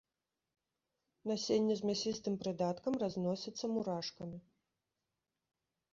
Насенне з мясістым прыдаткам, разносіцца мурашкамі.